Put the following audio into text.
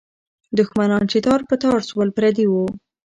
دښمنان چې تار په تار سول، پردي وو.